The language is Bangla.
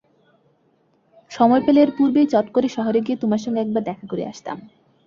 সময় পেলে এর পূর্বেই চট করে শহরে গিয়ে তোমার সঙ্গে একবার দেখা করে আসতাম।